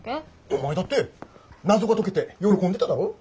お前だって謎が解けて喜んでただろう。